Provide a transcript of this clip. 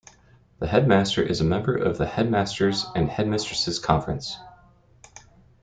The Head Master is a member of the Headmasters' and Headmistresses' Conference.